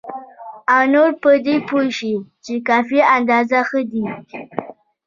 او نور په دې پوه شي چې کافي اندازه ښه دي.